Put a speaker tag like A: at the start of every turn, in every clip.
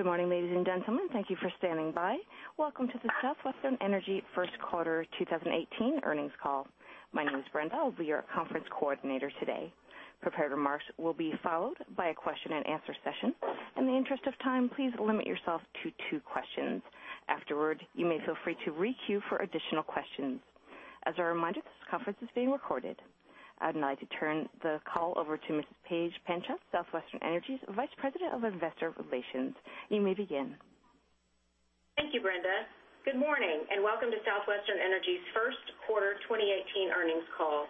A: Good morning, ladies and gentlemen. Thank you for standing by. Welcome to the Southwestern Energy First Quarter 2018 Earnings Call. My name is Brenda. I'll be your conference coordinator today. Prepared remarks will be followed by a question and answer session. In the interest of time, please limit yourself to two questions. Afterward, you may feel free to re-queue for additional questions. As a reminder, this conference is being recorded. I'd like to turn the call over to Ms. Paige Penchas, Southwestern Energy's Vice President of Investor Relations. You may begin.
B: Thank you, Brenda. Good morning, and welcome to Southwestern Energy's First Quarter 2018 Earnings Call.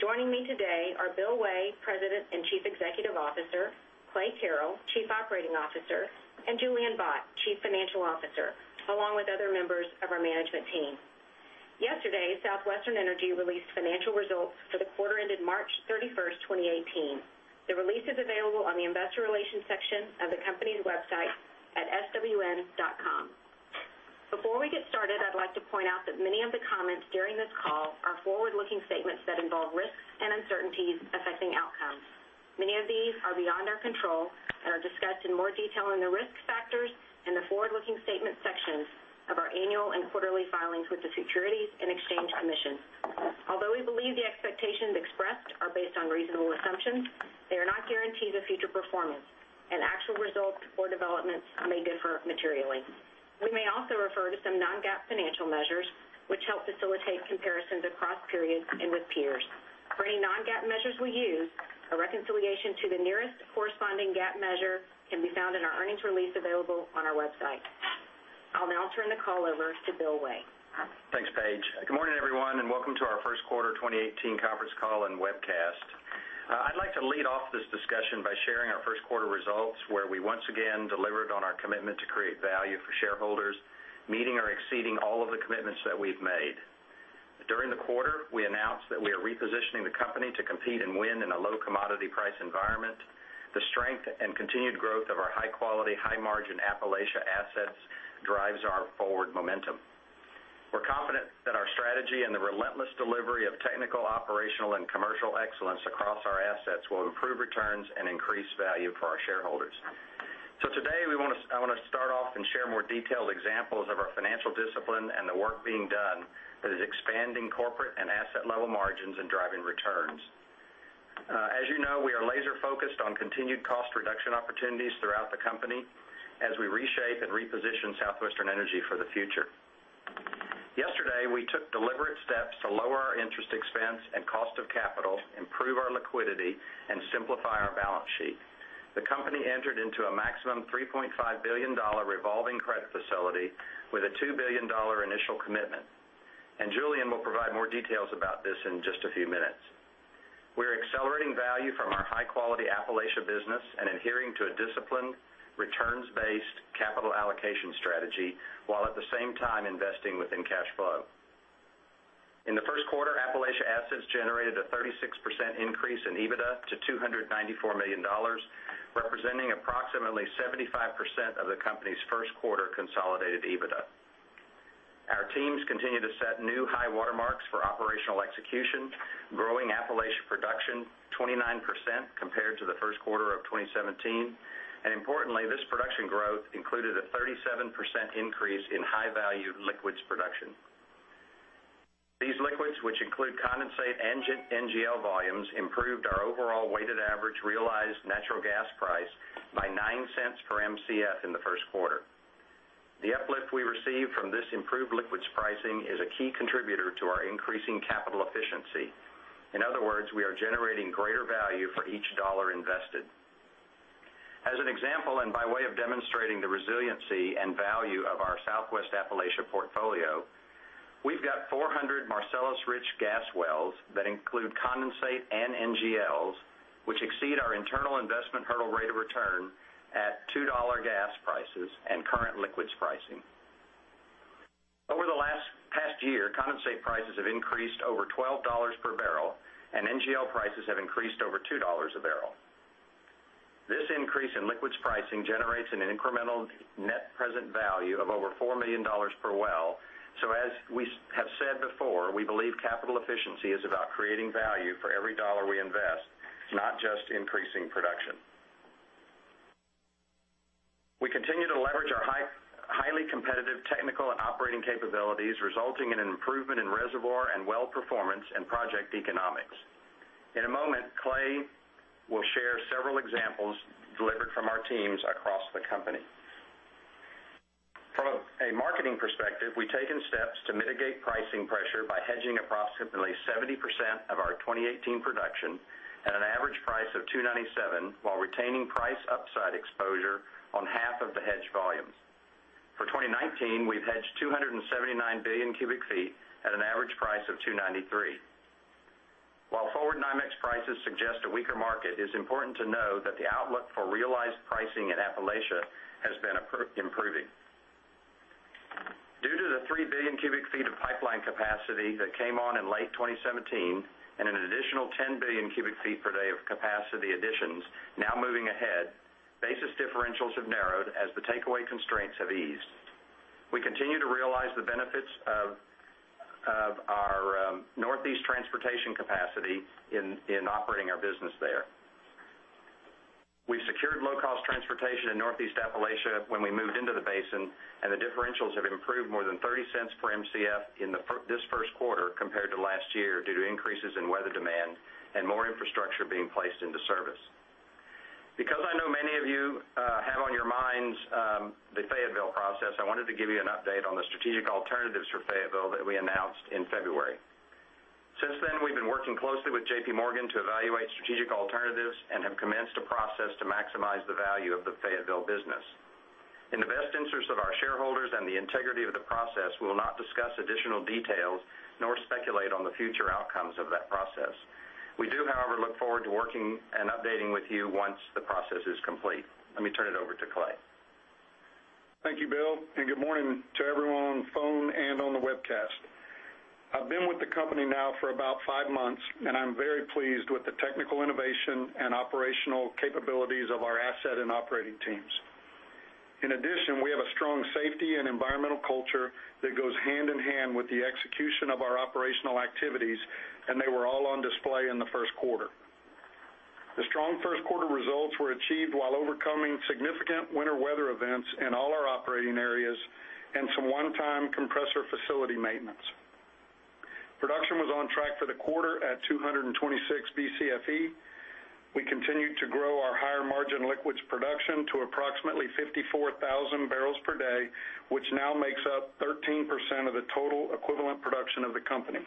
B: Joining me today are Bill Way, President and Chief Executive Officer, Clay Carrell, Chief Operating Officer, and Julian Bott, Chief Financial Officer, along with other members of our management team. Yesterday, Southwestern Energy released financial results for the quarter ended March 31st, 2018. The release is available on the investor relations section of the company's website at swn.com. Before we get started, I'd like to point out that many of the comments during this call are forward-looking statements that involve risks and uncertainties affecting outcomes. Many of these are beyond our control and are discussed in more detail in the risk factors in the forward-looking statement sections of our annual and quarterly filings with the Securities and Exchange Commission. Although we believe the expectations expressed are based on reasonable assumptions, they are not guarantees of future performance, and actual results or developments may differ materially. We may also refer to some non-GAAP financial measures, which help facilitate comparisons across periods and with peers. For any non-GAAP measures we use, a reconciliation to the nearest corresponding GAAP measure can be found in our earnings release available on our website. I'll now turn the call over to Bill Way.
C: Thanks, Paige. Good morning, everyone, and welcome to our first quarter 2018 conference call and webcast. I'd like to lead off this discussion by sharing our first quarter results, where we once again delivered on our commitment to create value for shareholders, meeting or exceeding all of the commitments that we've made. During the quarter, we announced that we are repositioning the company to compete and win in a low commodity price environment. The strength and continued growth of our high-quality, high-margin Appalachia assets drives our forward momentum. We're confident that our strategy and the relentless delivery of technical, operational, and commercial excellence across our assets will improve returns and increase value for our shareholders. Today, I want to start off and share more detailed examples of our financial discipline and the work being done that is expanding corporate and asset-level margins and driving returns. As you know, we are laser-focused on continued cost reduction opportunities throughout the company as we reshape and reposition Southwestern Energy for the future. Yesterday, we took deliberate steps to lower our interest expense and cost of capital, improve our liquidity, and simplify our balance sheet. The company entered into a maximum $3.5 billion revolving credit facility with a $2 billion initial commitment. Julian will provide more details about this in just a few minutes. We're accelerating value from our high-quality Appalachia business and adhering to a disciplined, returns-based capital allocation strategy, while at the same time investing within cash flow. In the first quarter, Appalachia assets generated a 36% increase in EBITDA to $294 million, representing approximately 75% of the company's first quarter consolidated EBITDA. Our teams continue to set new high water marks for operational execution, growing Appalachia production 29% compared to the first quarter of 2017. Importantly, this production growth included a 37% increase in high-value liquids production. These liquids, which include condensate and NGL volumes, improved our overall weighted average realized natural gas price by $0.09 per Mcf in the first quarter. The uplift we received from this improved liquids pricing is a key contributor to our increasing capital efficiency. In other words, we are generating greater value for each dollar invested. As an example, and by way of demonstrating the resiliency and value of our Southwest Appalachia portfolio, we've got 400 Marcellus rich gas wells that include condensate and NGLs, which exceed our internal investment hurdle rate of return at $2 gas prices and current liquids pricing. Over the past year, condensate prices have increased over $12 per barrel, and NGL prices have increased over $2 a barrel. This increase in liquids pricing generates an incremental net present value of over $4 million per well. As we have said before, we believe capital efficiency is about creating value for every dollar we invest, not just increasing production. We continue to leverage our highly competitive technical and operating capabilities, resulting in an improvement in reservoir and well performance and project economics. In a moment, Clay will share several examples delivered from our teams across the company. From a marketing perspective, we've taken steps to mitigate pricing pressure by hedging approximately 70% of our 2018 production at an average price of $2.97, while retaining price upside exposure on half of the hedged volumes. For 2019, we've hedged 279 billion cubic feet at an average price of $2.93. While forward NYMEX prices suggest a weaker market, it's important to know that the outlook for realized pricing in Appalachia has been improving. Due to the 3 billion cubic feet of pipeline capacity that came on in late 2017 and an additional 10 billion cubic feet per day of capacity additions now moving ahead, basis differentials have narrowed as the takeaway constraints have eased. We continue to realize the benefits of our Northeast transportation capacity in operating our business there. We secured low-cost transportation in Northeast Appalachia when we moved into the basin, and the differentials have improved more than $0.30 per Mcf in this first quarter compared to last year due to increases in weather demand and more infrastructure being placed into service. Because I know many of you have on your minds the Fayetteville process, I wanted to give you an update on the strategic alternatives for Fayetteville that we announced in February. Since then, we've been working closely with JPMorgan to evaluate strategic alternatives and have commenced a process to maximize the value of the Fayetteville business. In the best interest of our shareholders and the integrity of the process, we will not discuss additional details nor speculate on the future outcomes of that process. We do, however, look forward to working and updating with you once the process is complete. Let me turn it over to Clay.
D: Thank you, Bill, and good morning to everyone on phone and on the webcast. I've been with the company now for about five months, and I'm very pleased with the technical innovation and operational capabilities of our asset and operating teams. In addition, we have a strong safety and environmental culture that goes hand-in-hand with the execution of our operational activities, and they were all on display in the first quarter. The strong first quarter results were achieved while overcoming significant winter weather events in all our operating areas and some one-time compressor facility maintenance. Production was on track for the quarter at 226 BCFE. We continued to grow our higher-margin liquids production to approximately 54,000 barrels per day, which now makes up 13% of the total equivalent production of the company.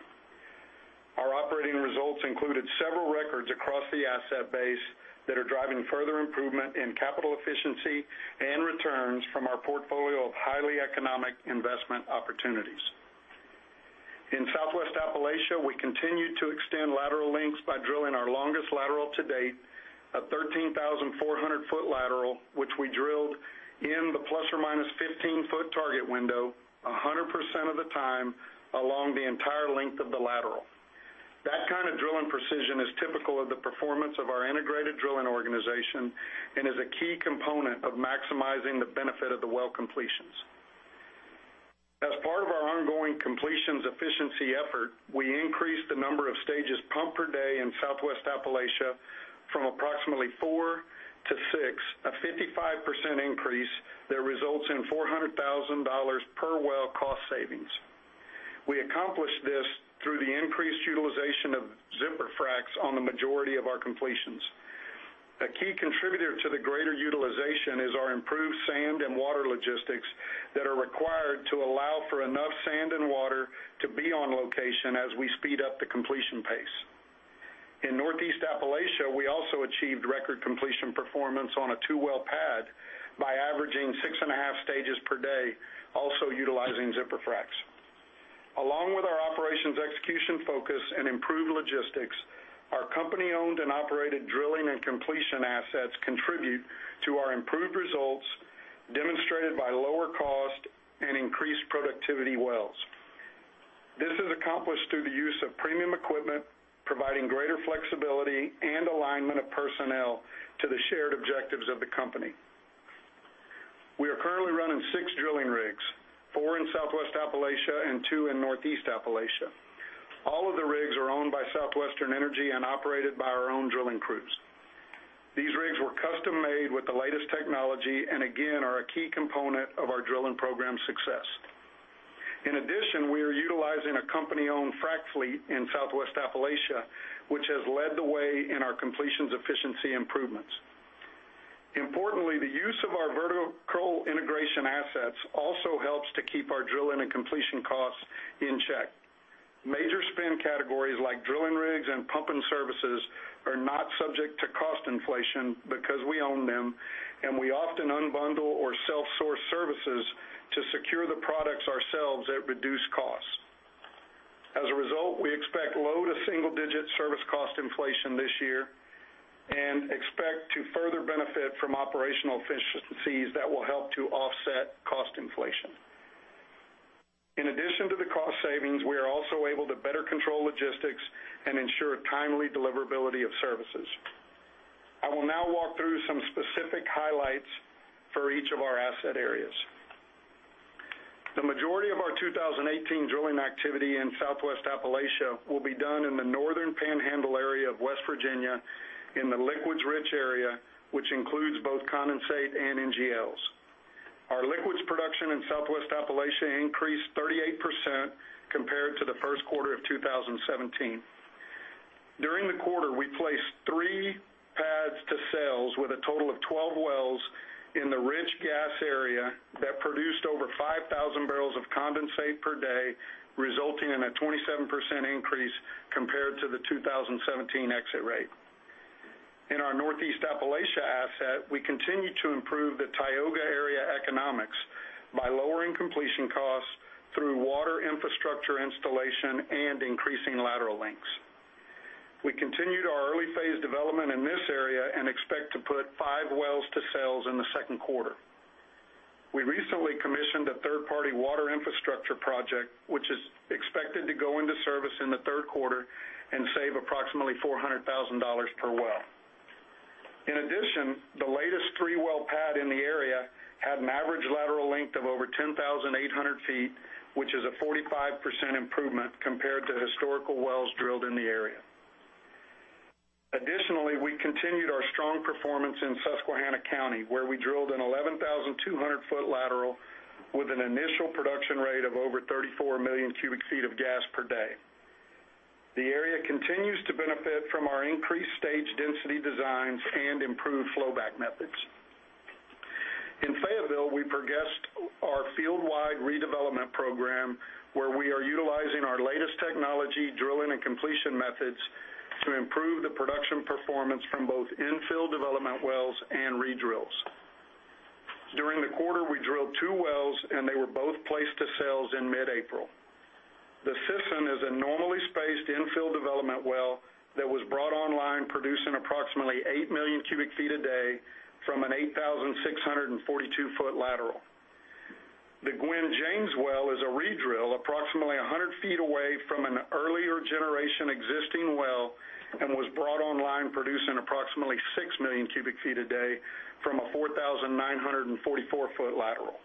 D: Our operating results included several records across the asset base that are driving further improvement in capital efficiency and returns from our portfolio of highly economic investment opportunities. In Southwest Appalachia, we continued to extend lateral lengths by drilling our longest lateral to date, a 13,400-foot lateral, which we drilled in the ±15-foot target window 100% of the time along the entire length of the lateral. That kind of drilling precision is typical of the performance of our integrated drilling organization and is a key component of maximizing the benefit of the well completions. As part of our ongoing completions efficiency effort, we increased the number of stages pumped per day in Southwest Appalachia from approximately four to six, a 55% increase that results in $400,000 per well cost savings. We accomplished this through the increased utilization of zipper fracs on the majority of our completions. A key contributor to the greater utilization is our improved sand and water logistics that are required to allow for enough sand and water to be on location as we speed up the completion pace. In Northeast Appalachia, we also achieved record completion performance on a two-well pad by averaging six and a half stages per day, also utilizing zipper fracs. Along with our operations execution focus and improved logistics, our company-owned and operated drilling and completion assets contribute to our improved results demonstrated by lower cost and increased productivity wells. This is accomplished through the use of premium equipment, providing greater flexibility and alignment of personnel to the shared objectives of the company. We are currently running six drilling rigs, four in Southwest Appalachia and two in Northeast Appalachia. All of the rigs are owned by Southwestern Energy and operated by our own drilling crews. These rigs were custom-made with the latest technology again, are a key component of our drilling program success. In addition, we are utilizing a company-owned frac fleet in Southwest Appalachia, which has led the way in our completions efficiency improvements. Importantly, the use of our vertical integration assets also helps to keep our drilling and completion costs in check. Major spend categories like drilling rigs and pumping services are not subject to cost inflation because we own them. We often unbundle or self-source services to secure the products ourselves at reduced costs. As a result, we expect low to single-digit service cost inflation this year and expect to further benefit from operational efficiencies that will help to offset cost inflation. In addition to the cost savings, we are also able to better control logistics and ensure timely deliverability of services. I will now walk through some specific highlights for each of our asset areas. The majority of our 2018 drilling activity in Southwest Appalachia will be done in the northern panhandle area of West Virginia in the liquids-rich area, which includes both condensate and NGLs. Our liquids production in Southwest Appalachia increased 38% compared to the first quarter of 2017. During the quarter, we placed three pads to sales with a total of 12 wells in the rich gas area that produced over 5,000 barrels of condensate per day, resulting in a 27% increase compared to the 2017 exit rate. In our Northeast Appalachia asset, we continued to improve the Tioga area economics by lowering completion costs through water infrastructure installation and increasing lateral lengths. We continued our early phase development in this area and expect to put five wells to sales in the second quarter. We recently commissioned a third-party water infrastructure project, which is expected to go into service in the third quarter and save approximately $400,000 per well. In addition, the latest three-well pad in the area had an average lateral length of over 10,800 feet, which is a 45% improvement compared to historical wells drilled in the area. Additionally, we continued our strong performance in Susquehanna County, where we drilled an 11,200-foot lateral with an initial production rate of over 34 million cubic feet of gas per day. The area continues to benefit from our increased stage density designs and improved flowback methods. In Fayetteville, we progressed our field-wide redevelopment program, where we are utilizing our latest technology drilling and completion methods to improve the production performance from both infill development wells and redrills. During the quarter, we drilled two wells. They were both placed to sales in mid-April. The Sisson is a normally spaced infill development well that was brought online producing approximately eight million cubic feet a day from an 8,642-foot lateral. The Gwen James well is a redrill approximately 100 feet away from an earlier generation existing well and was brought online producing approximately six million cubic feet a day from a 4,944-foot lateral.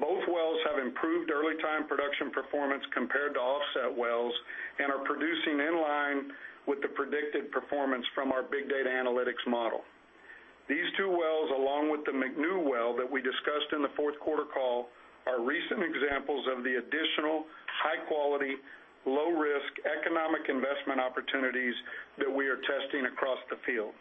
D: Both wells have improved early time production performance compared to offset wells and are producing in line with the predicted performance from our big data analytics model. These two wells, along with the McNew well that we discussed in the fourth quarter call, are recent examples of the additional high-quality, low-risk economic investment opportunities that we are testing across the field.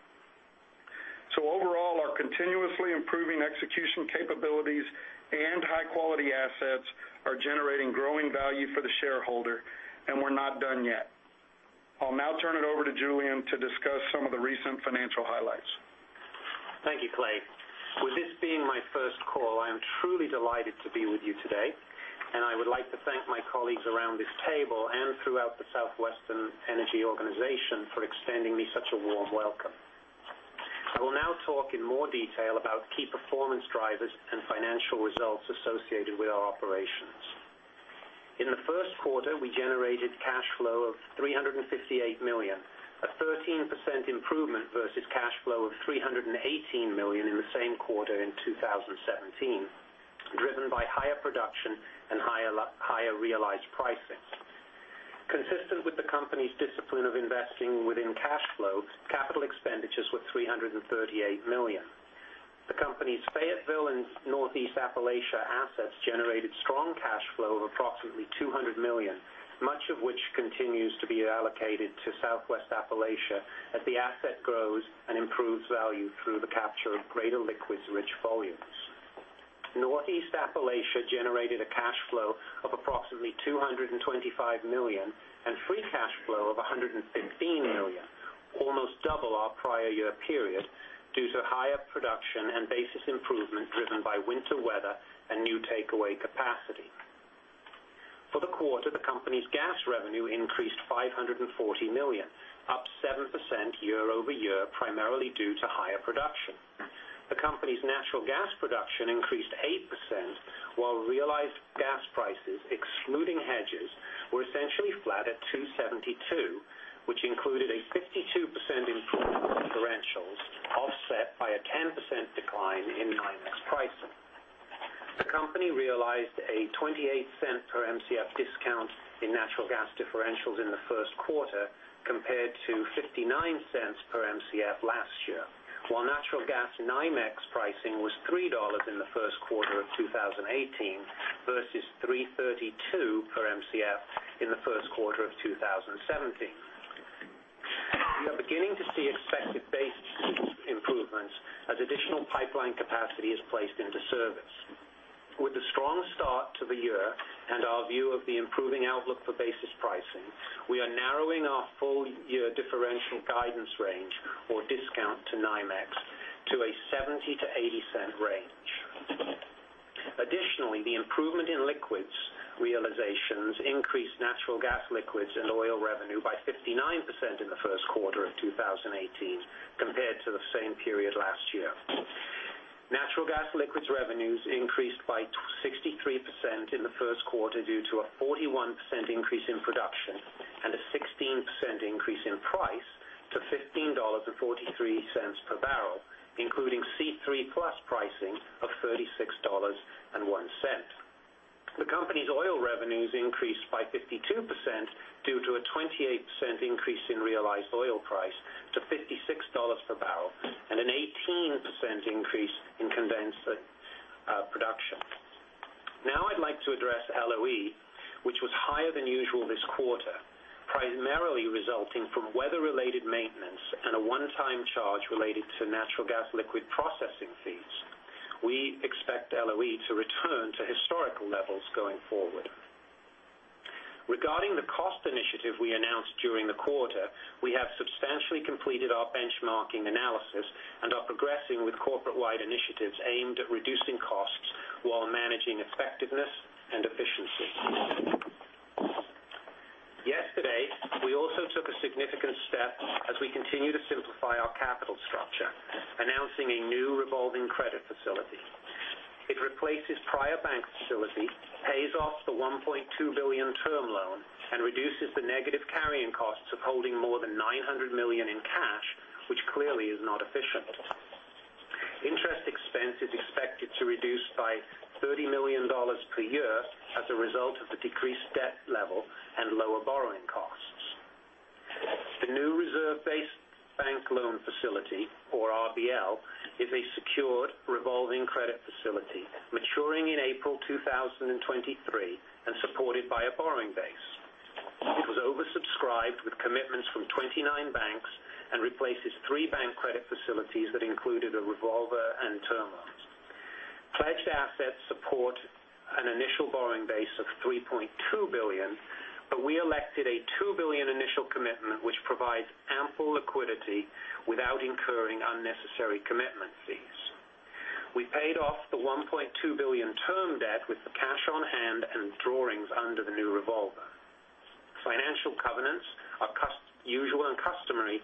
D: Overall, our continuously improving execution capabilities and high-quality assets are generating growing value for the shareholder. We're not done yet. I'll now turn it over to Julian to discuss some of the recent financial highlights.
E: Thank you, Clay. With this being my first call, I am truly delighted to be with you today, and I would like to thank my colleagues around this table and throughout the Southwestern Energy organization for extending me such a warm welcome. I will now talk in more detail about key performance drivers and financial results associated with our operations. In the first quarter, we generated cash flow of $358 million, a 13% improvement versus cash flow of $318 million in the same quarter in 2017, driven by higher production and higher realized pricing. Consistent with the company's discipline of investing within cash flow, capital expenditures were $338 million. The company's Fayetteville and Northeast Appalachia assets generated strong cash flow of approximately $200 million, much of which continues to be allocated to Southwest Appalachia as the asset grows and improves value through the capture of greater liquids-rich volumes. Northeast Appalachia generated a cash flow of approximately $225 million and free cash flow of $116 million, almost double our prior year period, due to higher production and basis improvement driven by winter weather and new takeaway capacity. For the quarter, the company's gas revenue increased $540 million, up 7% year-over-year, primarily due to higher production. The company's natural gas production increased 8%, while realized gas prices, excluding hedges, were essentially flat at $2.72, which included a 52% improvement in differentials offset by a 10% decline in NYMEX pricing. The company realized a $0.28 per Mcf discount in natural gas differentials in the first quarter, compared to $0.59 per Mcf last year, while natural gas NYMEX pricing was $3 in the first quarter of 2018 versus $3.32 per Mcf in the first quarter of 2017. We are beginning to see expected basis improvements as additional pipeline capacity is placed into service. With a strong start to the year and our view of the improving outlook for basis pricing, we are narrowing our full-year differential guidance range or discount to NYMEX to a $0.70-$0.80 range. Additionally, the improvement in liquids realizations increased natural gas liquids and oil revenue by 59% in the first quarter of 2018 compared to the same period last year. Natural gas liquids revenues increased by 63% in the first quarter due to a 41% increase in production and a 16% increase in price to $15.43 per barrel, including C3+ pricing of $36.01. The company's oil revenues increased by 52% due to a 28% increase in realized oil price to $56 per barrel and an 18% increase in condensate production. I'd like to address LOE, which was higher than usual this quarter, primarily resulting from weather-related maintenance and a one-time charge related to Natural Gas Liquids processing fees. We expect LOE to return to historical levels going forward. Regarding the cost initiative we announced during the quarter, we have substantially completed our benchmarking analysis and are progressing with corporate-wide initiatives aimed at reducing costs while managing effectiveness and efficiency. Yesterday, we also took a significant step as we continue to simplify our capital structure, announcing a new revolving credit facility. It replaces prior bank facility, pays off the $1.2 billion term loan, and reduces the negative carrying costs of holding more than $900 million in cash, which clearly is not efficient. Interest expense is expected to reduce by $30 million per year as a result of the decreased debt level and lower borrowing costs. The new reserve-based bank loan facility, or RBL, is a secured revolving credit facility maturing in April 2023 and supported by a borrowing base. It was oversubscribed with commitments from 29 banks and replaces three bank credit facilities that included a revolver and term loans. Pledged assets support an initial borrowing base of $3.2 billion, but we elected a $2 billion initial commitment, which provides ample liquidity without incurring unnecessary commitment fees. We paid off the $1.2 billion term debt with the cash on hand and drawings under the new revolver. Financial covenants are usual and customary,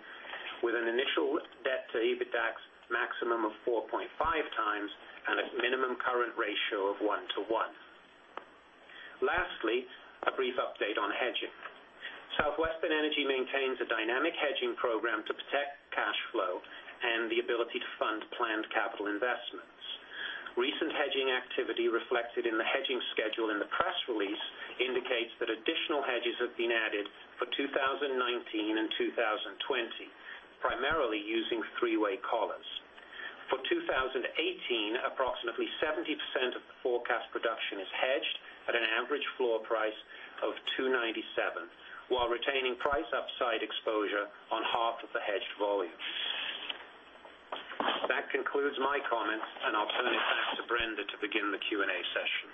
E: with an initial debt to EBITDAX maximum of 4.5 times and a minimum current ratio of one to one. Lastly, a brief update on hedging. Southwestern Energy maintains a dynamic hedging program to protect cash flow and the ability to fund planned capital investments. Recent hedging activity reflected in the hedging schedule in the press release indicates that additional hedges have been added for 2019 and 2020, primarily using three-way collars. For 2018, approximately 70% of the forecast production is hedged at an average floor price of $2.97, while retaining price upside exposure on half of the hedged volume. That concludes my comments. I'll turn it back to Brenda to begin the Q&A session.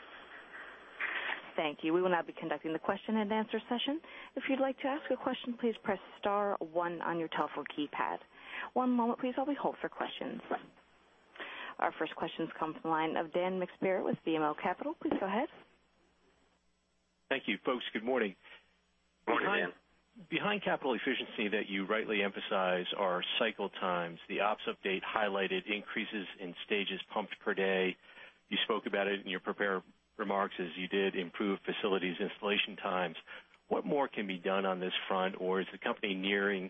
A: Thank you. We will now be conducting the question-and-answer session. If you'd like to ask a question, please press star one on your telephone keypad. One moment please, while we hold for questions. Our first questions come from the line of Dan McSpirit with BMO Capital. Please go ahead.
F: Thank you. Folks, good morning.
E: Morning.
F: Behind capital efficiency that you rightly emphasize are cycle times. The ops update highlighted increases in stages pumped per day. You spoke about it in your prepared remarks as you did improve facilities installation times. What more can be done on this front? Or is the company nearing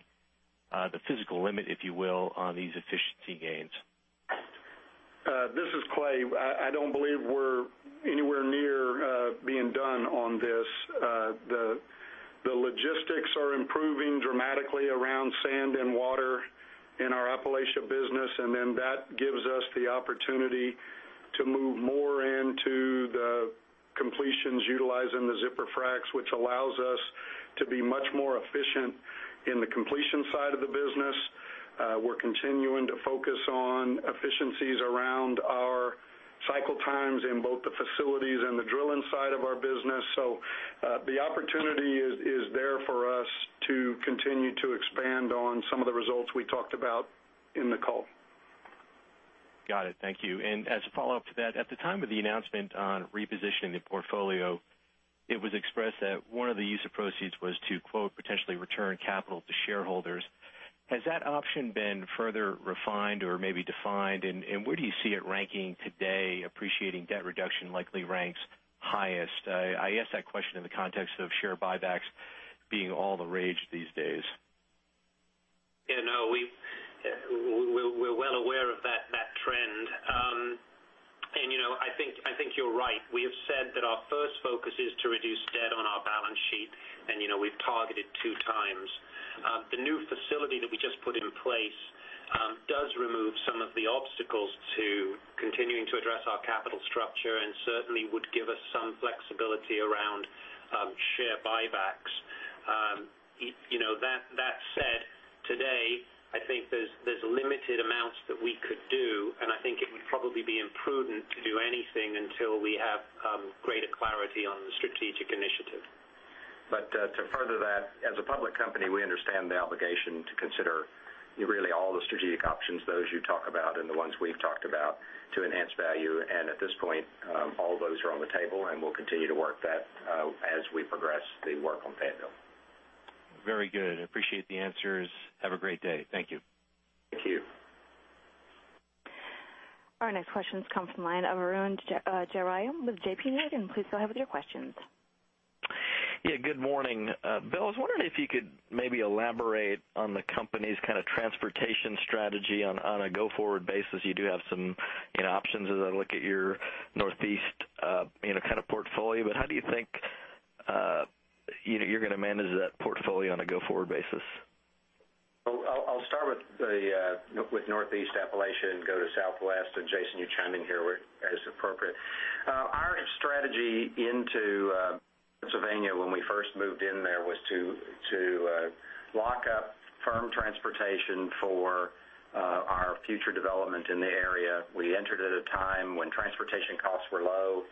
F: the physical limit, if you will, on these efficiency gains?
D: This is Clay. I don't believe we're anywhere near being done on this. The logistics are improving dramatically around sand and water in our Appalachia business, that gives us the opportunity to move more into the completions utilizing the zipper fracs, which allows us to be much more efficient in the completion side of the business. We're continuing to focus on efficiencies around our cycle times in both the facilities and the drilling side of our business. The opportunity is there for us to continue to expand on some of the results we talked about in the call.
F: Got it. Thank you. As a follow-up to that, at the time of the announcement on repositioning the portfolio, it was expressed that one of the use of proceeds was to, quote, "Potentially return capital to shareholders." Has that option been further refined or maybe defined, and where do you see it ranking today, appreciating debt reduction likely ranks highest? I ask that question in the context of share buybacks being all the rage these days.
E: We're well aware of that trend. I think you're right. We have said that our first focus is to reduce debt on our balance sheet. We've targeted two times. The new facility that we just put in place does remove some of the obstacles to continuing to address our capital structure and certainly would give us some flexibility around share buybacks. That said, today, I think there's limited amounts that we could do. I think it would probably be imprudent to do anything until we have greater clarity on the strategic initiative.
C: To further that, as a public company, we understand the obligation to consider really all the strategic options, those you talk about and the ones we've talked about to enhance value. At this point, all those are on the table. We'll continue to work that as we progress the work on Fayetteville.
F: Very good. Appreciate the answers. Have a great day. Thank you.
E: Thank you.
A: Our next questions come from the line of Arun Jayaram with JPMorgan. Please go ahead with your questions.
G: Good morning. Bill, I was wondering if you could maybe elaborate on the company's transportation strategy on a go-forward basis. You do have some options as I look at your Northeast kind of portfolio, but how do you think you're going to manage that portfolio on a go-forward basis?
C: I'll start with Northeast Appalachia and go to Southwest, and Jason, you chime in here as appropriate. Our strategy into Pennsylvania when we first moved in there was to lock up firm transportation for our future development in the area. We entered at a time when transportation costs were low,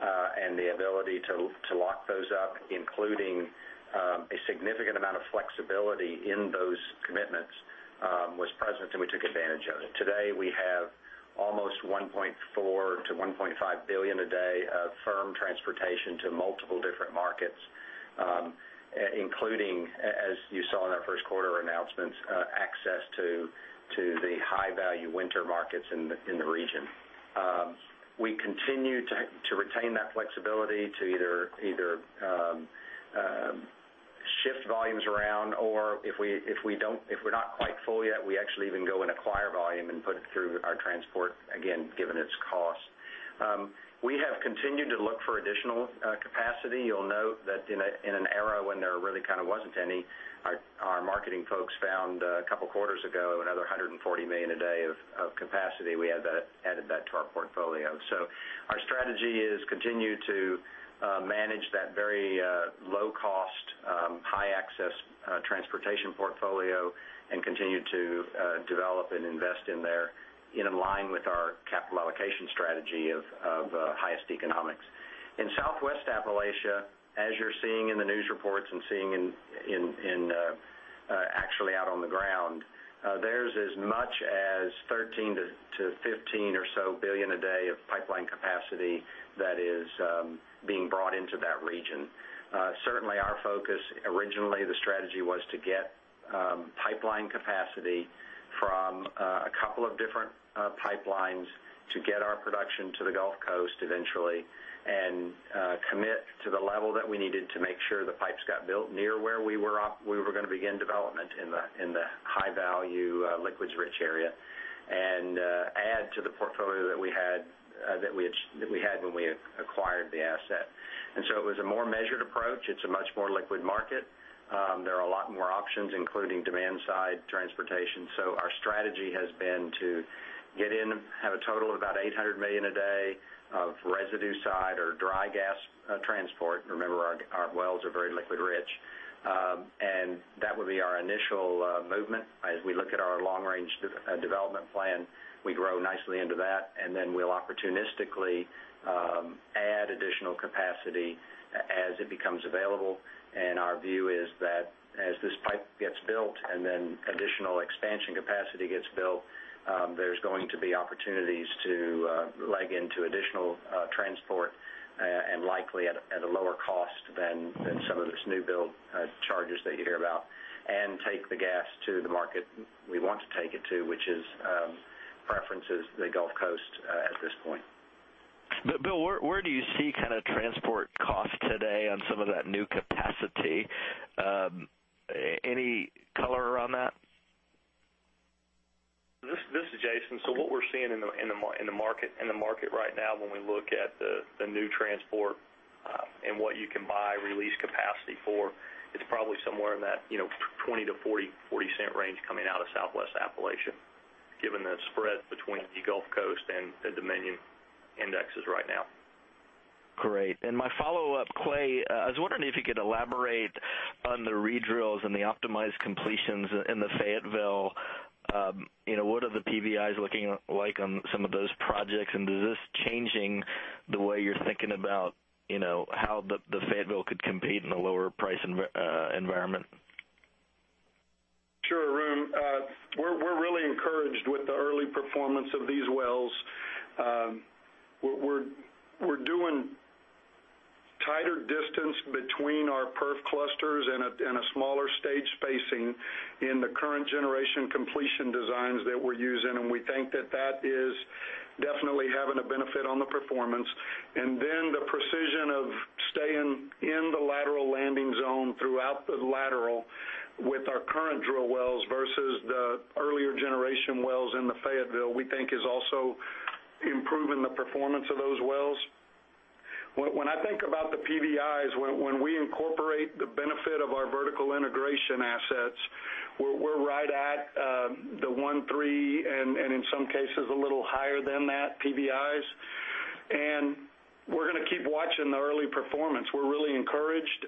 C: and the ability to lock those up, including a significant amount of flexibility in those commitments, was present, and we took advantage of it. Today, we have almost 1.4 billion a day to 1.5 billion a day of firm transportation to multiple different markets. Including, as you saw in our first quarter announcements, access to the high-value winter markets in the region. We continue to retain that flexibility to either shift volumes around, or if we're not quite full yet, we actually even go and acquire volume and put it through our transport, again, given its cost. Our strategy is continue to manage that very low-cost, high-access transportation portfolio and continue to develop and invest in there in line with our capital allocation strategy of highest economics. We have continued to look for additional capacity. You'll note that in an era when there really wasn't any, our marketing folks found a couple of quarters ago, another 140 million a day of capacity. We added that to our portfolio. In Southwest Appalachia, as you're seeing in the news reports and seeing actually out on the ground, there's as much as 13 billion a day to 15 billion or so a day of pipeline capacity that is being brought into that region. Certainly our focus, originally the strategy was to get pipeline capacity from a couple of different pipelines to get our production to the Gulf Coast eventually and commit to the level that we needed to make sure the pipes got built near where we were going to begin development in the high-value, liquids-rich area, add to the portfolio that we had when we acquired the asset. It was a more measured approach. It's a much more liquid market. There are a lot more options, including demand-side transportation. Our strategy has been to get in, have a total of about 800 million a day of residue side or dry gas transport. Remember, our wells are very liquid rich. That would be our initial movement. As we look at our long-range development plan, we grow nicely into that, we'll opportunistically add additional capacity as it becomes available. Our view is that as this pipe gets built and then additional expansion capacity gets built, there's going to be opportunities to leg into additional transport, and likely at a lower cost than some of this new build charges that you hear about, and take the gas to the market we want to take it to, which preferences the Gulf Coast at this point.
G: Bill, where do you see transport cost today on some of that new capacity? Any color around that?
H: This is Jason. What we're seeing in the market right now when we look at the new transport and what you can buy release capacity for, it's probably somewhere in that $0.20-$0.40 range coming out of Southwest Appalachia, given the spread between the Gulf Coast and the Dominion indexes right now.
G: My follow-up, Clay, I was wondering if you could elaborate on the redrills and the optimized completions in the Fayetteville. What are the PVIs looking like on some of those projects, and is this changing the way you're thinking about how the Fayetteville could compete in a lower price environment?
D: Sure, Arun. We're really encouraged with the early performance of these wells. We're doing tighter distance between our perf clusters and a smaller stage spacing in the current generation completion designs that we're using. We think that that is definitely having a benefit on the performance. The precision of staying in the lateral landing zone throughout the lateral with our current drill wells versus the earlier generation wells in the Fayetteville, we think is also improving the performance of those wells. When I think about the PVIs, when we incorporate the benefit of our vertical integration assets, we're right at the one-three, in some cases, a little higher than that PVIs. We're going to keep watching the early performance. We're really encouraged.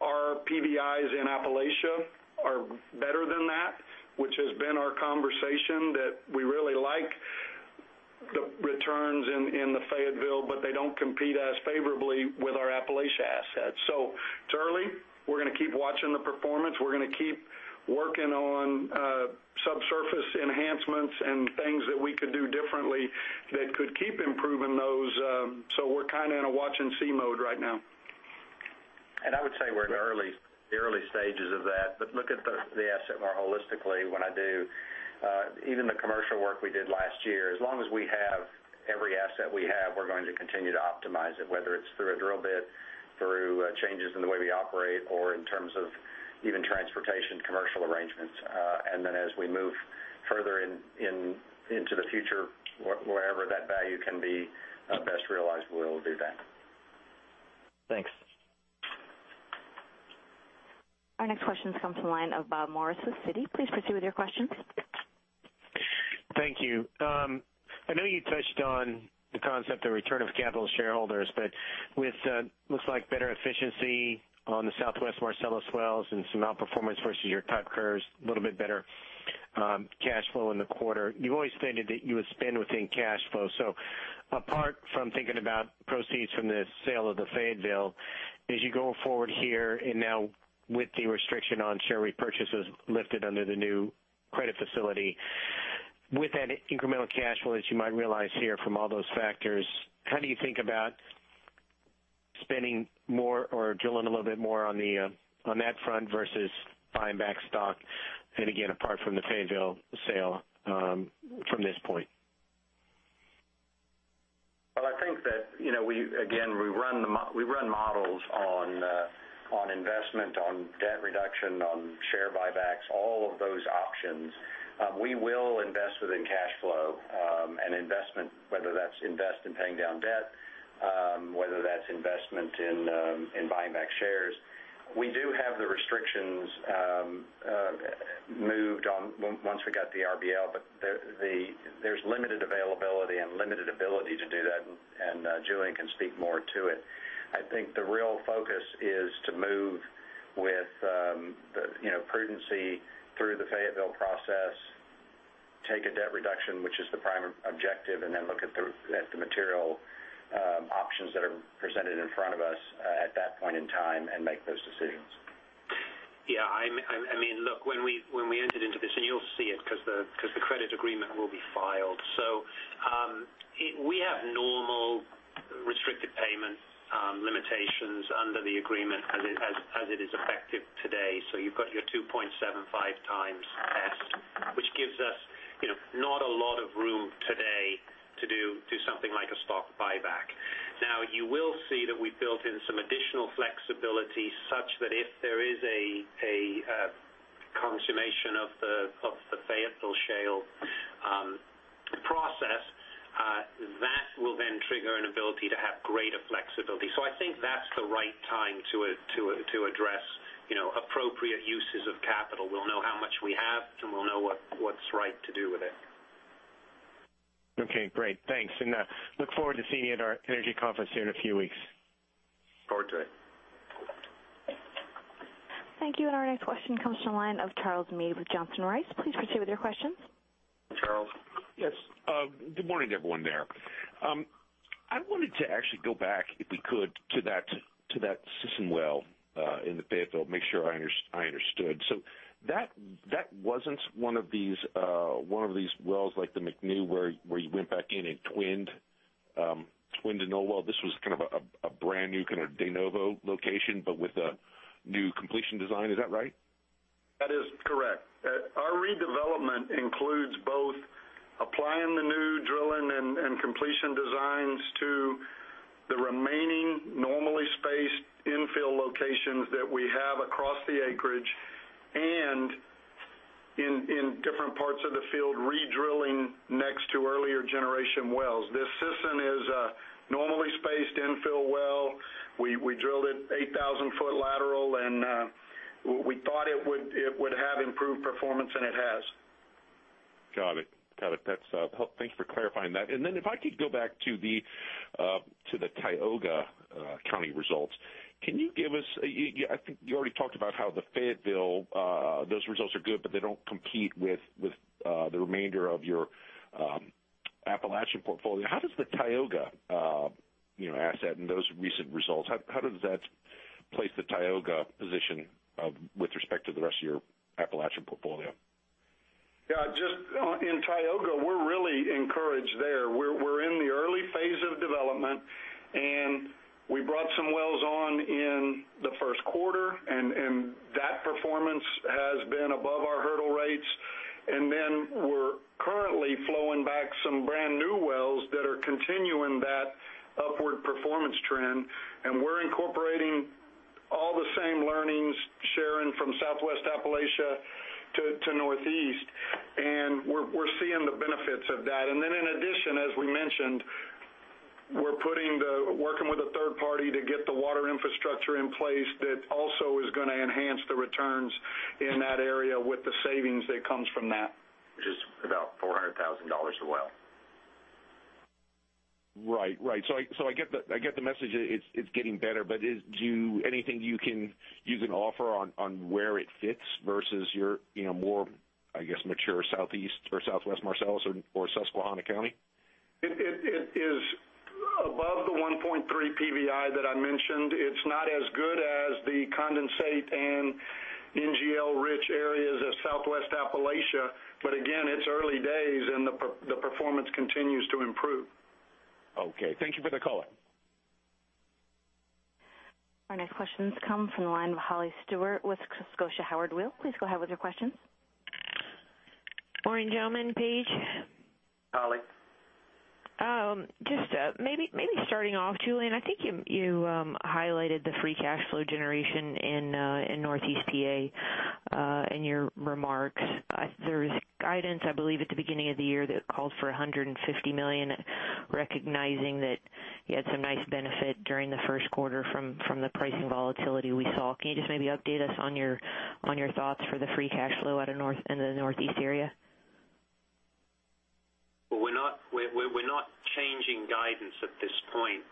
D: Our PVIs in Appalachia are better than that, which has been our conversation that we really like the returns in the Fayetteville, but they don't compete as favorably with our Appalachia assets. It's early. We're going to keep watching the performance. We're going to keep working on subsurface enhancements and things that we could do differently that could keep improving those. We're in a watch and see mode right now.
C: I would say we're in the early stages of that. Look at the asset more holistically. When I do even the commercial work we did last year, as long as we have every asset we have, we're going to continue to optimize it, whether it's through a drill bit, through changes in the way we operate, or in terms of even transportation commercial arrangements. As we move further into the future, wherever that value can be best realized, we'll do that.
G: Thanks.
A: Our next question comes from the line of Bob Morris with Citi. Please proceed with your questions.
I: Thank you. With looks like better efficiency on the Southwest Marcellus wells and some outperformance versus your type curves, a little bit better cash flow in the quarter. You always stated that you would spend within cash flow. Apart from thinking about proceeds from the sale of the Fayetteville, as you go forward here and now with the restriction on share repurchases lifted under the new credit facility With that incremental cash flow that you might realize here from all those factors, how do you think about spending more or drilling a little bit more on that front versus buying back stock, and again, apart from the Fayetteville sale from this point?
C: Well, I think that again, we run models on investment, on debt reduction, on share buybacks, all of those options. We will invest within cash flow, and investment, whether that's invest in paying down debt, whether that's investment in buying back shares. We do have the restrictions moved on once we got the RBL, but there's limited availability and limited ability to do that, and Julian can speak more to it. I think the real focus is to move with prudency through the Fayetteville process, take a debt reduction, which is the prime objective, and then look at the material options that are presented in front of us at that point in time and make those decisions.
E: Yeah. Look, when we entered into this, you'll see it because the credit agreement will be filed. We have normal restricted payment limitations under the agreement as it is effective today. You've got your 2.75 times test, which gives us not a lot of room today to do something like a stock buyback. You will see that we built in some additional flexibility such that if there is a consummation of the Fayetteville Shale process, that will then trigger an ability to have greater flexibility. I think that's the right time to address appropriate uses of capital. We'll know how much we have, and we'll know what's right to do with it.
I: Okay, great. Thanks. Look forward to seeing you at our energy conference here in a few weeks.
C: Okay.
A: Thank you. Our next question comes from the line of Charles Meade with Johnson Rice. Please proceed with your questions.
C: Charles.
J: Yes. Good morning, everyone there. I wanted to actually go back, if we could, to that Sisson well in the Fayetteville, make sure I understood. That wasn't one of these wells like the McNew where you went back in and twinned an old well. This was kind of a brand-new, kind of de novo location, but with a new completion design. Is that right?
D: That is correct. Our redevelopment includes both applying the new drilling and completion designs to the remaining normally spaced infill locations that we have across the acreage, and in different parts of the field, redrilling next to earlier generation wells. This Sisson is a normally spaced infill well. We drilled it 8,000-foot lateral, and we thought it would have improved performance, and it has.
J: Got it. Thank you for clarifying that. Then if I could go back to the Tioga County results. I think you already talked about how the Fayetteville, those results are good, but they don't compete with the remainder of your Appalachian portfolio. How does the Tioga asset and those recent results, how does that place the Tioga position with respect to the rest of your Appalachian portfolio?
D: Yeah. In Tioga, we're really encouraged there. We're in the early phase of development. We brought some wells on in the first quarter, and that performance has been above our hurdle rates. Then we're currently flowing back some brand-new wells that are continuing that upward performance trend, and we're incorporating all the same learnings, sharing from Southwest Appalachia to Northeast, and we're seeing the benefits of that. Then in addition, as we mentioned, we're working with a third party to get the water infrastructure in place that also is going to enhance the returns in that area with the savings that comes from that.
C: Which is about $400,000 a well.
J: Right. I get the message it's getting better, but anything you can offer on where it fits versus your more, I guess, mature Southeast or Southwest Marcellus or Susquehanna County?
D: It is above the 1.3 PVI that I mentioned. It's not as good as the condensate and NGL-rich areas of Southwest Appalachia, but again, it's early days, and the performance continues to improve.
J: Okay. Thank you for the color.
A: Our next questions come from the line of Holly Stewart with Scotia Howard Weil. Please go ahead with your questions.
K: Morning, gentlemen, Paige.
C: Holly.
K: Maybe starting off, Julian, I think you highlighted the free cash flow generation in Northeast P.A. in your remarks. There was guidance, I believe, at the beginning of the year that called for $150 million, recognizing that you had some nice benefit during the first quarter from the pricing volatility we saw. Can you just maybe update us on your thoughts for the free cash flow in the Northeast area?
E: We're not changing guidance at this point.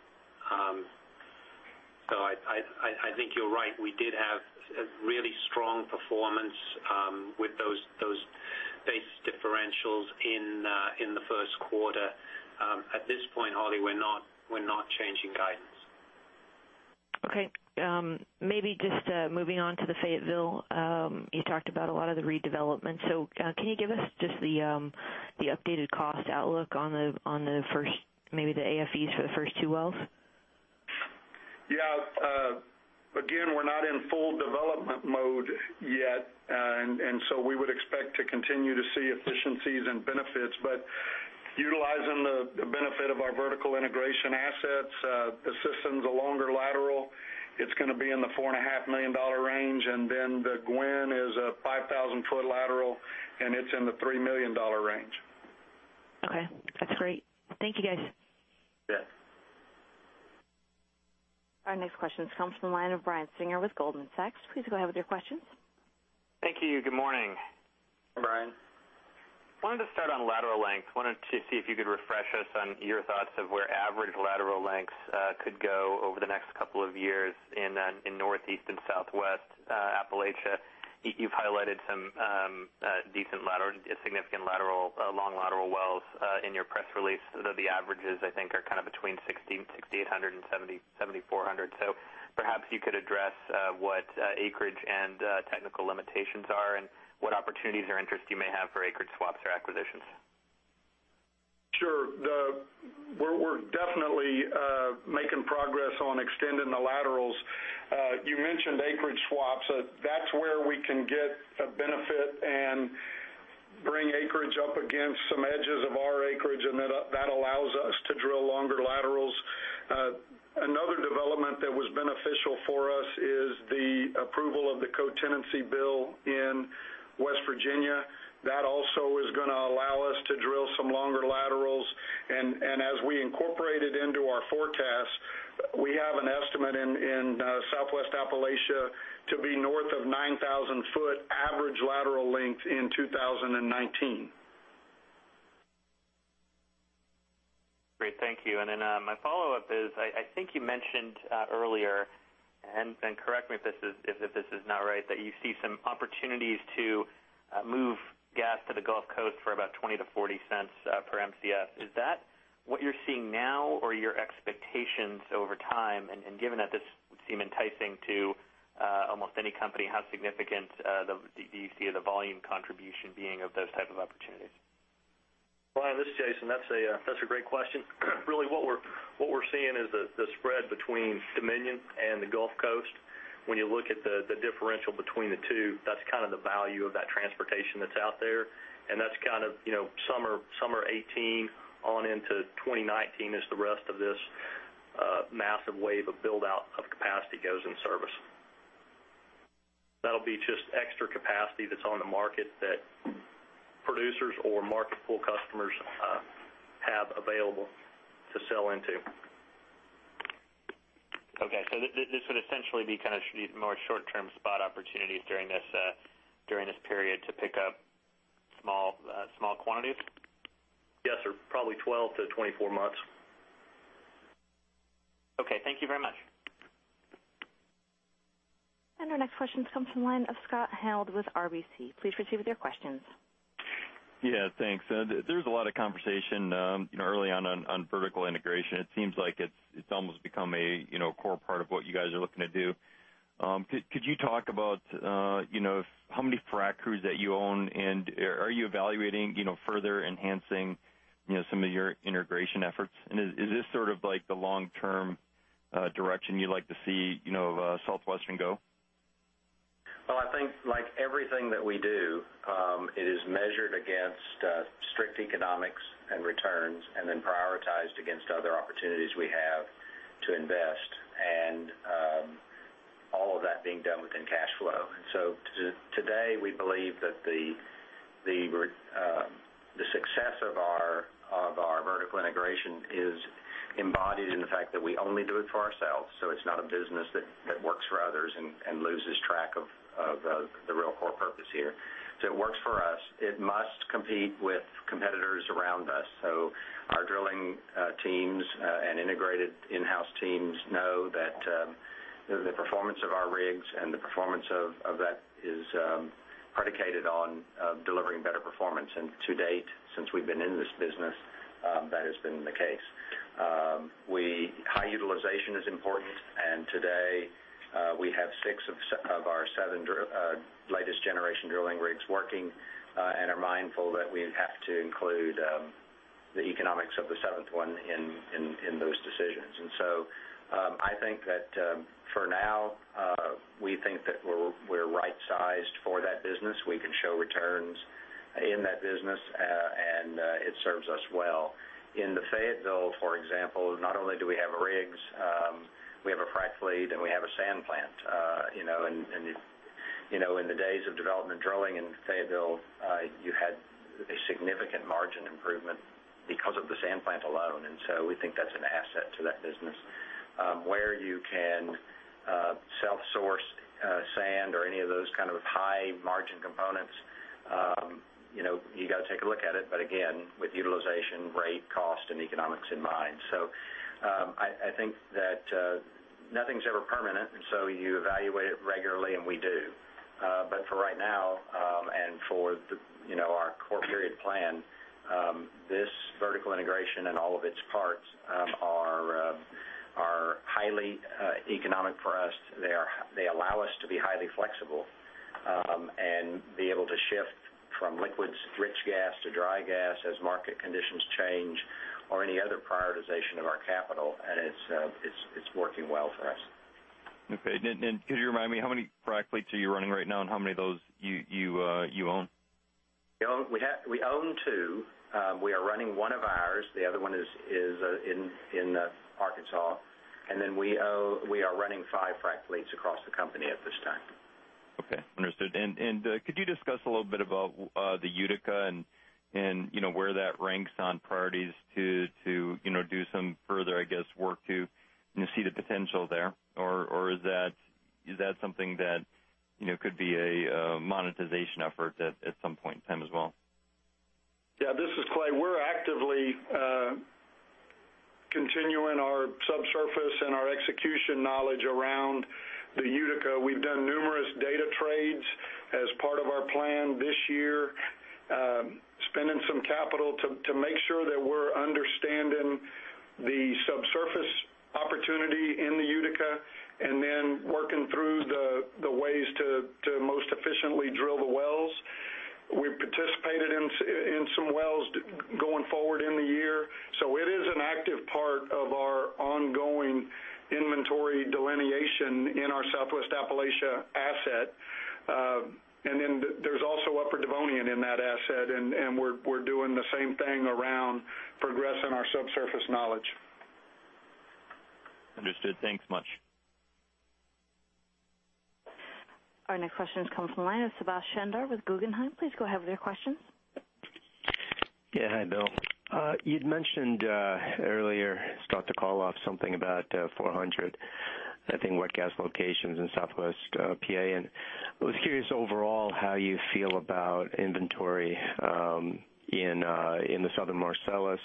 E: I think you're right. We did have a really strong performance with those base differentials in the first quarter. At this point, Holly, we're not changing guidance.
K: Maybe just moving on to the Fayetteville. You talked about a lot of the redevelopment. Can you give us just the updated cost outlook on the first, maybe the AFEs for the first two wells?
D: Yeah. Again, we're not in full development mode yet, we would expect to continue to see efficiencies and benefits. Utilizing the benefit of our vertical integration assets, the system's a longer lateral. It's going to be in the $4.5 million range, the Guinn is a 5,000-foot lateral, it's in the $3 million range.
K: Okay, that's great. Thank you, guys.
D: Yes.
A: Our next question comes from the line of Brian Singer with Goldman Sachs. Please go ahead with your questions.
L: Thank you. Good morning.
H: Hi, Brian.
L: Wanted to start on lateral length. Wanted to see if you could refresh us on your thoughts of where average lateral lengths could go over the next couple of years in Northeast and Southwest Appalachia. You've highlighted some decent lateral, significant lateral, long lateral wells in your press release, though the averages, I think, are between 6,800 and 7,400. Perhaps you could address what acreage and technical limitations are and what opportunities or interest you may have for acreage swaps or acquisitions.
D: Sure. We're definitely making progress on extending the laterals. You mentioned acreage swaps. That's where we can get a benefit and bring acreage up against some edges of our acreage, and that allows us to drill longer laterals. Another development that was beneficial for us is the approval of the Cotenancy bill in West Virginia. That also is going to allow us to drill some longer laterals, and as we incorporate it into our forecast, we have an estimate in Southwest Appalachia to be north of 9,000-foot average lateral length in 2019.
L: Great. Thank you. My follow-up is, I think you mentioned earlier, and correct me if this is not right, that you see some opportunities to move gas to the Gulf Coast for about $0.20-$0.40 per Mcf. Is that what you're seeing now or your expectations over time? Given that this would seem enticing to almost any company, how significant do you see the volume contribution being of those type of opportunities?
H: Brian, this is Jason. That's a great question. Really what we're seeing is the spread between Dominion and the Gulf Coast. When you look at the differential between the two, that's the value of that transportation that's out there, and that's summer 2018 on into 2019 as the rest of this massive wave of build-out of capacity goes in service. That'll be just extra capacity that's on the market that producers or market pull customers have available to sell into.
L: Okay. This would essentially be more short-term spot opportunities during this period to pick up small quantities?
H: Yes, sir. Probably 12 to 24 months.
L: Okay. Thank you very much.
A: Our next question comes from the line of Scott Hanold with RBC. Please proceed with your questions.
M: Yeah, thanks. There's a lot of conversation early on vertical integration. It seems like it's almost become a core part of what you guys are looking to do. Could you talk about how many frac crews that you own, and are you evaluating further enhancing some of your integration efforts? Is this sort of the long-term direction you'd like to see Southwestern go?
C: Well, I think like everything that we do, it is measured against strict economics and returns and then prioritized against other opportunities we have to invest, and all of that being done within cash flow. Today, we believe that the success of our vertical integration is embodied in the fact that we only do it for ourselves. It's not a business that works for others and loses track of the real core purpose here. It works for us. It must compete with competitors around us. Our drilling teams and integrated in-house teams know that the performance of our rigs and the performance of that is predicated on delivering better performance. To date, since we've been in this business, that has been the case. High utilization is important, and today we have six of our seven latest generation drilling rigs working and are mindful that we have to include the economics of the seventh one in those decisions. I think that for now, we think that we're right-sized for that business. We can show returns in that business, and it serves us well. In the Fayetteville, for example, not only do we have rigs, we have a frac fleet, and we have a sand plant. In the days of development drilling in Fayetteville, you had a significant margin impr ovement because of the sand plant alone, and we think that's an asset to that business. Where you can self-source sand or any of those kind of high-margin components, you got to take a look at it, but again, with utilization, rate, cost, and economics in mind. I think that nothing's ever permanent, and so you evaluate it regularly, and we do for right now. For our core period plan, this vertical integration and all of its parts are highly economic for us. They allow us to be highly flexible and be able to shift from liquids-rich gas to dry gas as market conditions change or any other prioritization of our capital. It's working well for us.
M: Okay. Could you remind me how many frac fleets are you running right now, and how many of those you own?
D: We own two. We are running one of ours. The other one is in Arkansas. We are running five frac fleets across the company at this time.
M: Okay. Understood. Could you discuss a little bit about the Utica and where that ranks on priorities to do some further work to see the potential there, or is that something that could be a monetization effort at some point in time as well?
D: Yeah, this is Clay. We're actively continuing our subsurface and our execution knowledge around the Utica. We've done numerous data trades as part of our plan this year, spending some capital to make sure that we're understanding the subsurface opportunity in the Utica, then working through the ways to most efficiently drill the wells. We participated in some wells going forward in the year. It is an active part of our ongoing inventory delineation in our Southwest Appalachia asset. There's also Upper Devonian in that asset, and we're doing the same thing around progressing our subsurface knowledge.
M: Understood. Thanks much.
A: Our next question comes from the line of Subash Chandra with Guggenheim. Please go ahead with your questions.
N: Yeah. Hi, Bill. You'd mentioned earlier, start the call off something about 400, I think, wet gas locations in Southwest PA. I was curious overall how you feel about inventory in the Southern Marcellus,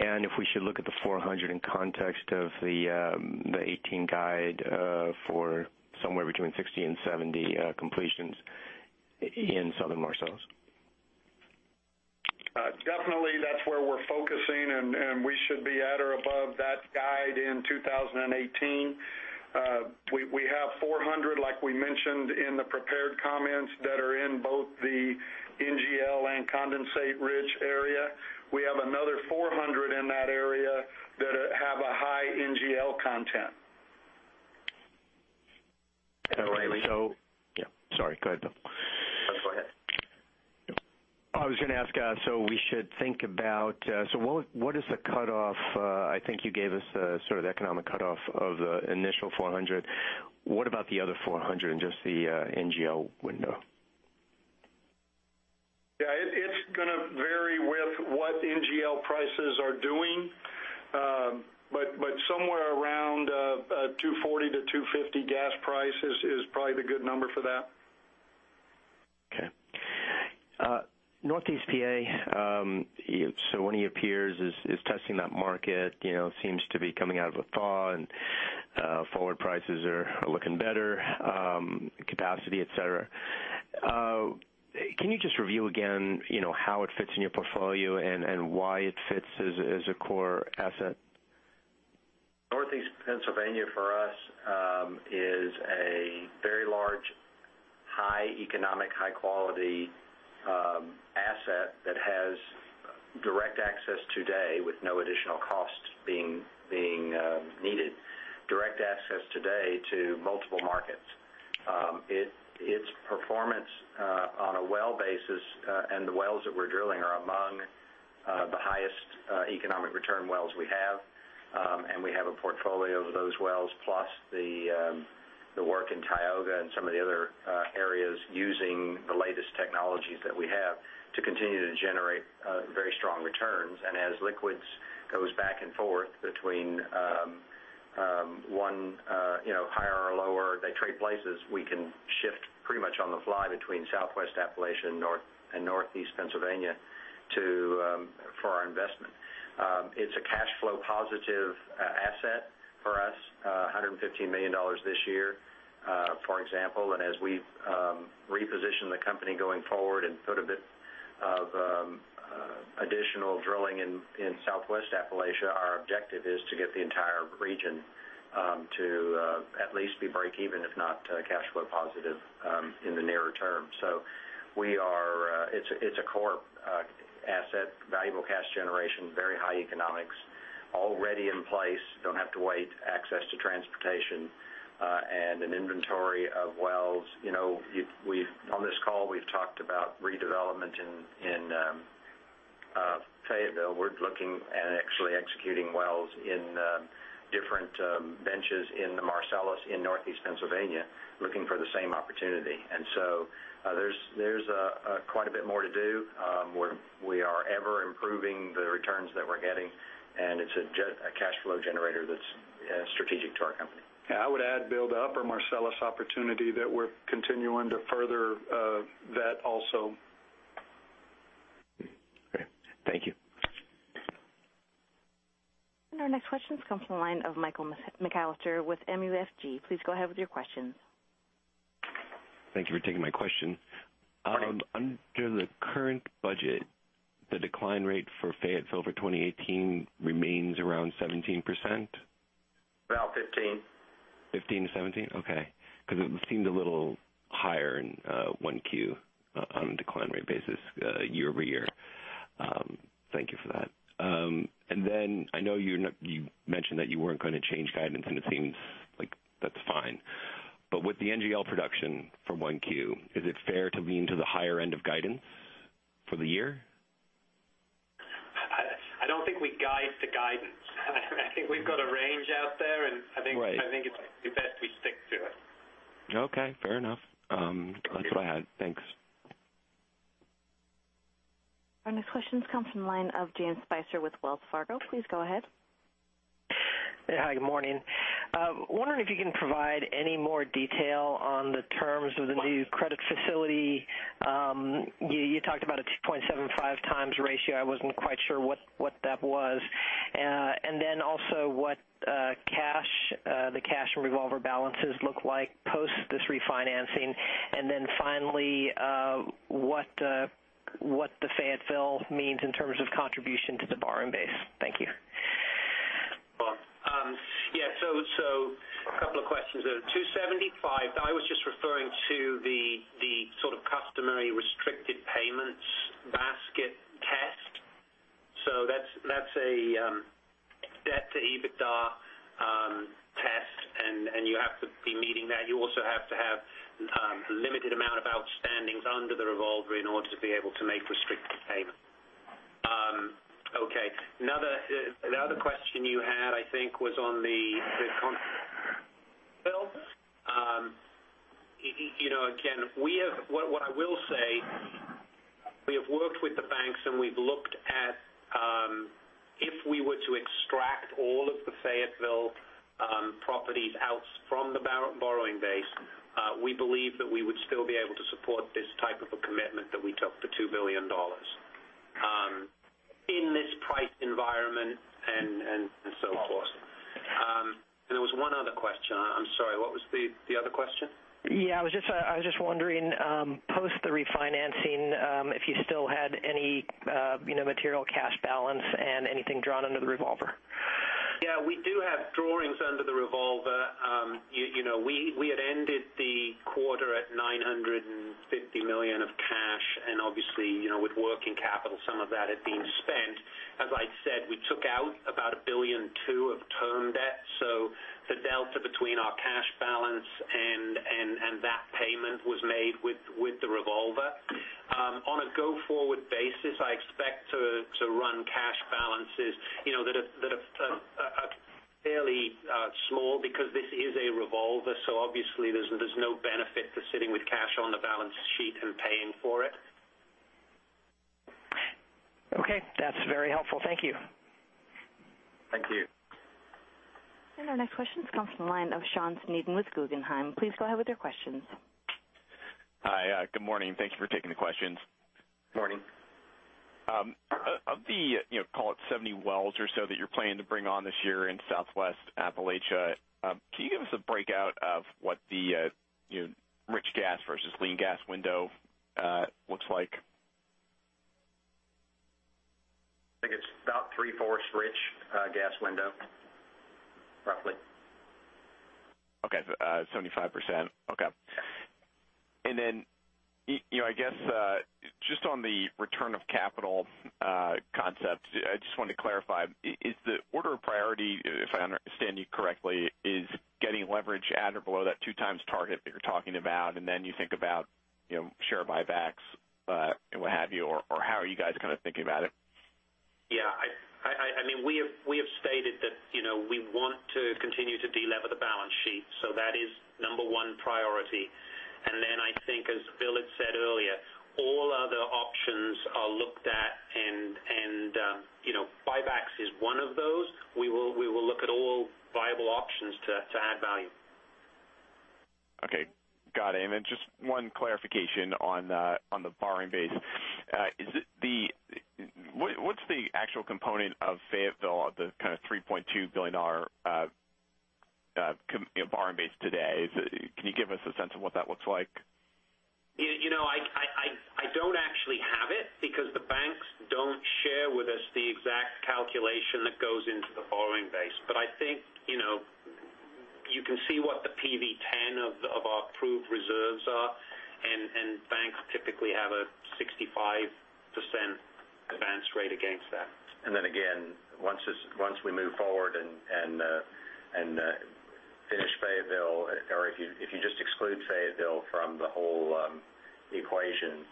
N: and if we should look at the 400 in context of the 2018 guide for somewhere between 60 and 70 completions in Southern Marcellus.
D: Definitely that's where we're focusing. We should be at or above that guide in 2018. We have 400, like we mentioned in the prepared comments, that are in both the NGL and condensate-rich area. We have another 400 in that area that have a high NGL content.
N: And so-
C: Billy.
N: Yeah, sorry. Go ahead, Bill.
C: No, go ahead.
N: I was going to ask, we should think about what is the cutoff? I think you gave us a sort of economic cutoff of the initial 400. What about the other 400 in just the NGL window?
D: Yeah. It's going to vary with what NGL prices are doing. Somewhere around $2.40-$2.50 gas price is probably the good number for that.
N: Okay. Northeast PA, one of your peers is testing that market, seems to be coming out of a thaw, and forward prices are looking better, capacity, et cetera. Can you just review again how it fits in your portfolio and why it fits as a core asset?
C: Northeast Pennsylvania for us is a very large, high economic, high-quality asset that has direct access today with no additional cost being needed. Direct access today to multiple markets. Its performance on a well basis, and the wells that we're drilling are among the highest economic return wells we have. We have a portfolio of those wells plus the work in Tioga and some of the other areas using the latest technologies that we have to continue to generate very strong returns. As liquids goes back and forth between one higher or lower, they trade places, we can shift pretty much on the fly between Southwest Appalachia and Northeast Pennsylvania for our investment. It's a cash flow positive asset for us, $115 million this year, for example. As we reposition the company going forward and put a bit of additional drilling in Southwest Appalachia, our objective is to get the entire region to at least be break-even if not cash flow positive in the nearer term. It's a core asset, valuable cash generation, very high economics, already in place, don't have to wait, access to transportation, and an inventory of wells. On this call, we've talked about redevelopment in Fayetteville. We're looking at actually executing wells in different benches in the Marcellus in Northeast Pennsylvania, looking for the same opportunity. There's quite a bit more to do. We are ever improving the returns that we're getting, and it's a cash flow generator that's strategic to our company.
D: Yeah, I would add, Bill, the Upper Marcellus opportunity that we're continuing to further vet also.
N: Okay.
A: Our next question comes from the line of Michael McAllister with MUFG. Please go ahead with your questions.
O: Thank you for taking my question.
E: Morning.
O: Under the current budget, the decline rate for Fayetteville for 2018 remains around 17%?
E: About 15%.
O: 15 to 17? Okay. Because it seemed a little higher in Q1 on a decline rate basis year-over-year. Thank you for that. I know you mentioned that you weren't going to change guidance, and it seems like that's fine. With the NGL production from Q1, is it fair to lean to the higher end of guidance for the year?
E: I don't think we guide to guidance. I think we've got a range out there.
O: Right
E: It's best we stick to it.
O: Okay, fair enough. That's what I had. Thanks.
A: Our next question comes from the line of Jane Spicer with Wells Fargo. Please go ahead.
P: Hi. Good morning. Wondering if you can provide any more detail on the terms of the new credit facility. You talked about a 2.75 times ratio. I wasn't quite sure what that was. Also what the cash and revolver balances look like post this refinancing. Finally, what the Fayetteville means in terms of contribution to the borrowing base. Thank you.
E: A couple of questions there. 2.75, I was just referring to the sort of customary restricted payments basket test. That's a debt to EBITDA test, and you have to be meeting that. You also have to have a limited amount of outstandings under the revolver in order to be able to make restricted payment. Okay. The other question you had, I think, was on the Fayetteville. Again, what I will say, we have worked with the banks, and we've looked at if we were to extract all of the Fayetteville properties out from the borrowing base, we believe that we would still be able to support this type of a commitment that we took for $2 billion in this price environment and so forth. There was one other question. I'm sorry, what was the other question?
P: I was just wondering, post the refinancing, if you still had any material cash balance and anything drawn under the revolver.
E: Yeah, we do have drawings under the revolver. We had ended the quarter at $950 million of cash, and obviously, with working capital, some of that had been spent. As I said, we took out about $1.2 billion of term debt. The delta between our cash balance and that payment was made with the revolver. On a go-forward basis, I expect to run cash balances that are fairly small because this is a revolver, so obviously there's no benefit to sitting with cash on the balance sheet and paying for it.
P: Okay. That's very helpful. Thank you.
E: Thank you.
A: Our next question comes from the line of Sean Sneeden with Guggenheim. Please go ahead with your questions.
Q: Hi, good morning. Thank you for taking the questions.
E: Morning.
Q: Of the, call it 70 wells or so that you're planning to bring on this year in Southwest Appalachia, can you give us a breakout of what the rich gas versus lean gas window looks like?
E: I think it's about three-fourths rich gas window, roughly.
Q: Okay. 75%. Okay. I guess, just on the return of capital concept, I just wanted to clarify, is the order of priority, if I understand you correctly, is getting leverage at or below that two times target that you're talking about, and then you think about share buybacks, and what have you? How are you guys kind of thinking about it?
E: Yeah. We have stated that we want to continue to delever the balance sheet, that is number one priority. I think as Bill had said earlier, all other options are looked at, and buybacks is one of those. We will look at all viable options to add value.
Q: Okay. Got it. Just one clarification on the borrowing base. What's the actual component of Fayetteville of the kind of $3.2 billion borrowing base today? Can you give us a sense of what that looks like?
E: I don't actually have it because the banks don't share with us the exact calculation that goes into the borrowing base. I think you can see what the PV-10 of our proved reserves are, and banks typically have a 65% advance rate against that.
C: Again, once we move forward and finish Fayetteville, or if you just exclude Fayetteville from the whole equation,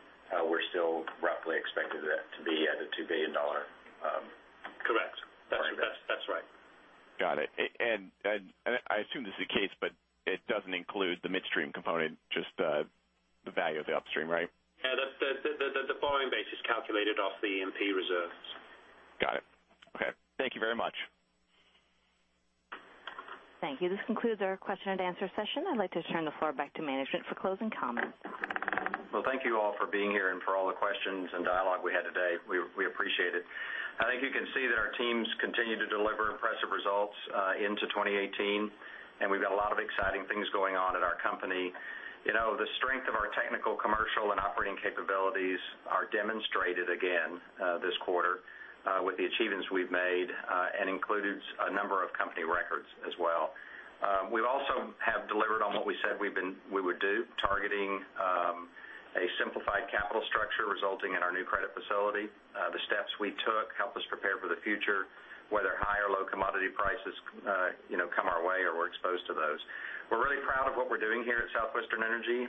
C: we're still roughly expecting that to be at a $2 billion.
E: Correct.
C: borrowing base.
E: That's right.
Q: Got it. I assume this is the case, but it doesn't include the midstream component, just the value of the upstream, right?
E: Yeah. The borrowing base is calculated off the E&P reserves.
Q: Got it. Okay. Thank you very much.
A: Thank you. This concludes our question and answer session. I'd like to turn the floor back to management for closing comments.
C: Well, thank you all for being here and for all the questions and dialogue we had today. We appreciate it. I think you can see that our teams continue to deliver impressive results into 2018, and we've got a lot of exciting things going on at our company. The strength of our technical, commercial, and operating capabilities are demonstrated again this quarter with the achievements we've made, and includes a number of company records as well. We also have delivered on what we said we would do, targeting a simplified capital structure resulting in our new credit facility. The steps we took help us prepare for the future, whether high or low commodity prices come our way or we're exposed to those. We're really proud of what we're doing here at Southwestern Energy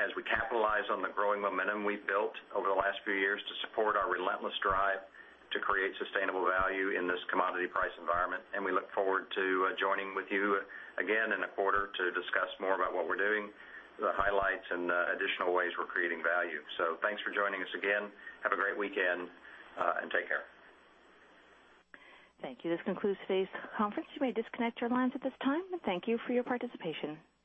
C: as we capitalize on the growing momentum we've built over the last few years to support our relentless drive to create sustainable value in this commodity price environment, and we look forward to joining with you again in a quarter to discuss more about what we're doing, the highlights, and additional ways we're creating value. Thanks for joining us again. Have a great weekend, and take care.
A: Thank you. This concludes today's conference. You may disconnect your lines at this time. Thank you for your participation.